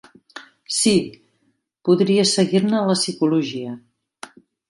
Sí, podria seguir-ne la psicologia.